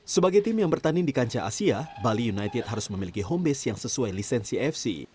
sebagai tim yang bertanding di kancah asia bali united harus memiliki home base yang sesuai lisensi fc